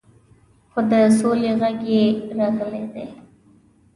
خو د سولې غږ یې راغلی دی.